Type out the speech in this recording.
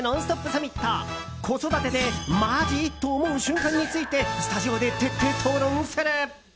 サミット子育てでマジ！？と思う瞬間についてスタジオで徹底討論する！